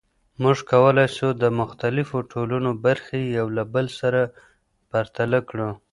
موږ کولای سو د مختلفو ټولنو برخې یو له بل سره پرتله کړو.